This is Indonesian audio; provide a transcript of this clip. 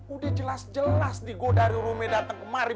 udah jelas jelas nih gua dari rumi dateng kemari